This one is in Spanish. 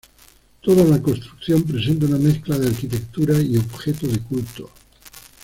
Toda la construcción presenta una mezcla de arquitectura y objeto de culto.